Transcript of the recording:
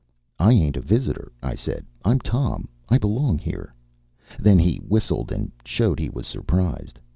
"I ain't a visitor," I said. "I'm Tom. I belong here." Then he whistled and showed he was surprised.